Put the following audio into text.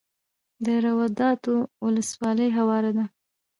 د روداتو ولسوالۍ هواره ده